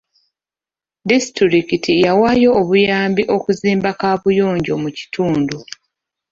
Disitulikiti yawaayo obuyambi okuzimba kaabuyonjo mu kitundu.